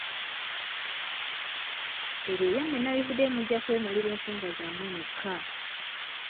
Ebyo ebyammwe nabivuddemu mujja kwemalira ensonga zammwe mwekka.